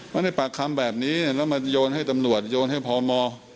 ให้ปากคำแบบนี้แล้วมาโยนให้ตำรวจโยนให้พม